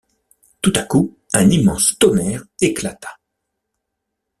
Tout à coup un immense tonnerre éclata.